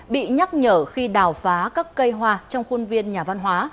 bị nhắc nhở khi đào phá các cây hoa trong khuôn viên nhà văn hóa